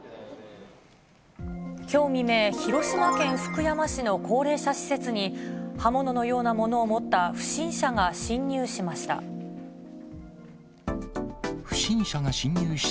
きょう未明、広島県福山市の高齢者施設に、刃物のようなものを持った不審者が侵入しました。